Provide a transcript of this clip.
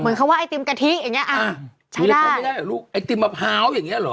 เหมือนเขาว่าไอติมกะทิอย่างเงี้ยอ่าใช้ได้ไม่ได้ลูกไอติมมะพร้าวอย่างเงี้ยเหรอ